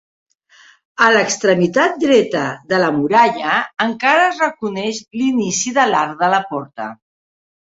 A l'extremitat dreta de la muralla encara es reconeix l'inici de l'arc de la porta.